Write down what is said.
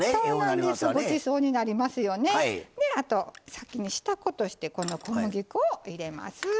先に下粉としてこの小麦粉を入れます。